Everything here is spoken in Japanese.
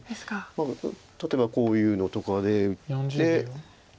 例えばこういうのとかで打って。